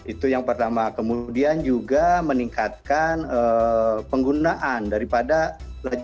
itu yang pertama kemudian juga meningkatkan penggunaan daripada lajur sepeda yang selama ini